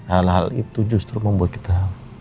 hal hal itu justru membuat kita